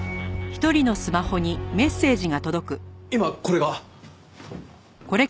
今これが。